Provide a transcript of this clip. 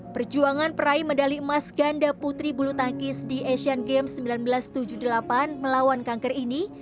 perjuangan peraih medali emas ganda putri bulu tangkis di asian games seribu sembilan ratus tujuh puluh delapan melawan kanker ini